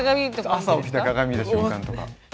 朝起きて鏡見た瞬間とか。